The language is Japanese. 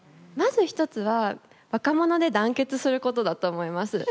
まず一つは若者で団結することだと思います。